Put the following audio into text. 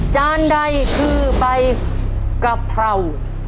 จานใดคือใบกะเพรา